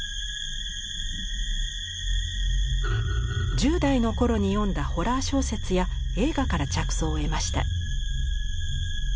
１０代の頃に読んだホラー小説や映画から着想を得ました。